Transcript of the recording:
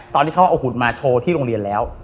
ตอนที่เขาเอาหุ่นมาโชว์ที่โรงเรียนแล้ว